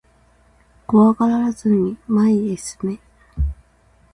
怖がらずに前へ進め